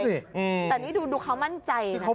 แต่นี่ดูเค้ามั่นใจมั้ย